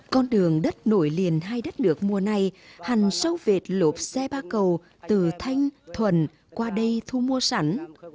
con đường đất nổi liền hai đất nước mùa nay hằn sâu vệt lộp xe ba cầu từ thanh thuần qua đây thu mua sẵn